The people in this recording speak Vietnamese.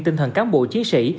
tinh thần cán bộ chiến sĩ